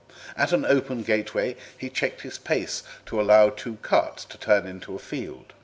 At an open gateway he checked his pace to allow two carts to turn into a field.